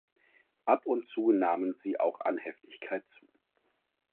Ab und zu nahmen sie auch an Heftigkeit zu.